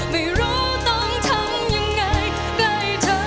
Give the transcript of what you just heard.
ไม่รู้ต้องทำยังไงใกล้เธอ